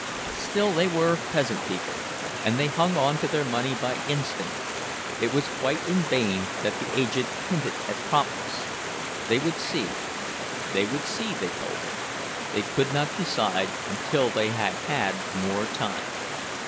Still, they were peasant people, and they hung on to their money by instinct; it was quite in vain that the agent hinted at promptness—they would see, they would see, they told him, they could not decide until they had had more time.